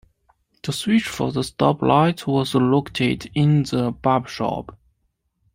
The switch for the stop light was located in the barber shop.